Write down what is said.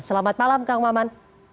selamat malam kang maman